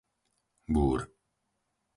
Búr